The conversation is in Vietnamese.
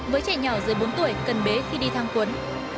với trẻ nhỏ dưới bốn tuổi cần bế khi đi thang quấn